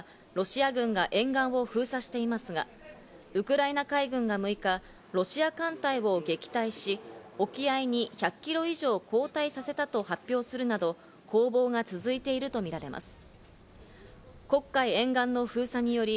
一方、ウクライナの南に広がる黒海では、ロシア軍が沿岸を封鎖していますが、ウクライナ海軍が６日、ロシア艦隊を撃退し、沖合に１００キロ以上後退させたと発表するなど、攻防が続いているとみられます。